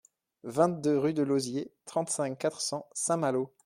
vingt-deux rue de Lozier, trente-cinq, quatre cents, Saint-Malo